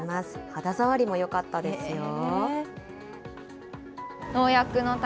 肌触りもよかったですよ。